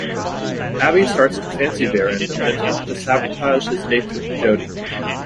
Abi starts to fancy Darren, and attempts to sabotage his dates with Jodie.